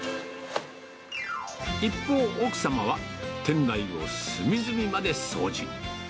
一方、奥様は店内を隅々まで掃除。